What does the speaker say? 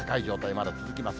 まだ続きます。